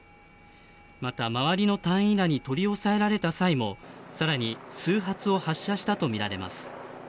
また、周りの隊員らに取り押さえられた際も更に数発を発射したとみられます。